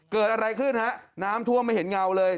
เกิดอะไรขึ้นฮะน้ำท่วมไม่เห็นเงาเลย